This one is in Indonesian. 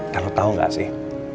kan lo tau gak sih